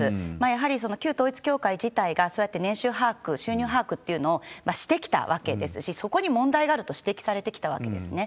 やはり旧統一教会自体がそうやって年収把握、収入把握っていうのをしてきたわけですし、そこに問題があると指摘されてきたわけですね。